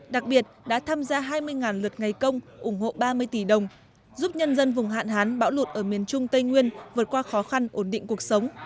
đặc biệt đã tham gia hai mươi lượt ngày công ủng hộ ba mươi tỷ đồng giúp nhân dân vùng hạn hán bão lụt ở miền trung tây nguyên vượt qua khó khăn ổn định cuộc sống